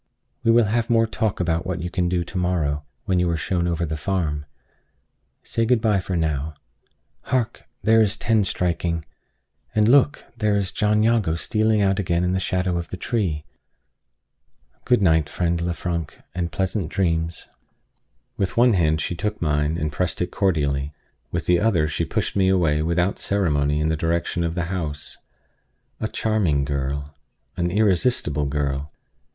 We will have more talk about what you can do to morrow, when you are shown over the farm. Say good by now. Hark! there is ten striking! And look! here is John Jago stealing out again in the shadow of the tree! Good night, friend Lefrank; and pleasant dreams." With one hand she took mine, and pressed it cordially; with the other she pushed me away without ceremony in the direction of the house. A charming girl an irresistible girl!